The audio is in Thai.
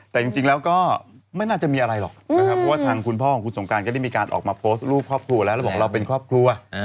แต่จริงแล้วก็ไม่น่าจะมีอะไรหรอกนะครับเพราะว่าทางคุณพ่อของคุณสงการก็ได้มีการออกมาโพสต์รูปครอบครัวแล้วแล้วบอกเราเป็นครอบครัว